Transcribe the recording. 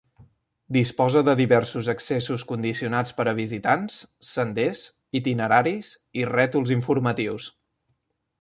Disposa de diversos accessos condicionats per a visitants, senders, itineraris i rètols informatius.